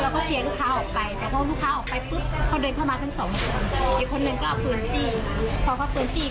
เข้ามาแล้วก็เคลียร์ลูกค้าออกไป